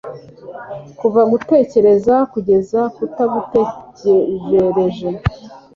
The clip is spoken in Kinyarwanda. kuva gutegereza kugeza kutagutegereje